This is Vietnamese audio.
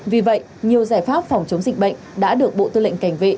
vì vậy nhiều giải pháp phòng chống dịch bệnh đã được bộ tư lệnh cảnh vệ